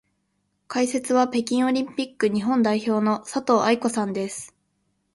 解説は北京オリンピック日本代表の佐藤愛子さんです。